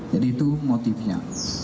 jadi itu motifnya